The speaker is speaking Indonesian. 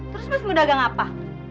terus mas mau dagang apa